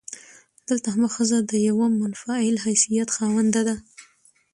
دلته هم ښځه د يوه منفعل حيثيت خاونده ده.